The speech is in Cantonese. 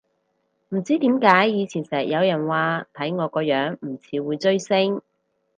唔知點解以前成日有人話睇我個樣唔似會追星